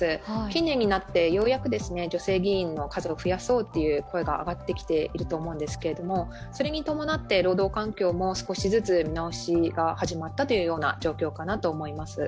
近年になってようやく女性議員の数を増やそうという声が上がってきていると思うんですけどそれにともなって、労働環境も少しずつ見直しが始まったというような状況かなと思います。